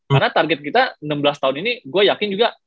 karena target kita enam belas tahun ini gue yakin juga